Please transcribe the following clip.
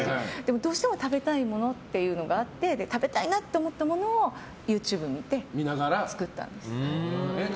どうしても食べたものがあって食べたいなと思ったものをＹｏｕＴｕｂｅ見て作ったんです。